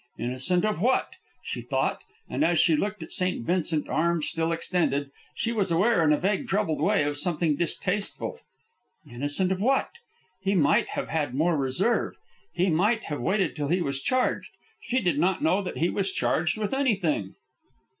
Innocent of what? she thought, and as she looked at St. Vincent, arms still extended, she was aware, in a vague, troubled way, of something distasteful. Innocent of what? He might have had more reserve. He might have waited till he was charged. She did not know that he was charged with anything.